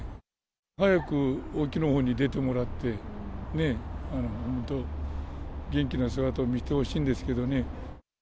早く沖のほうに出てもらって、本当、元気な姿を見せてほしいんですけどもね。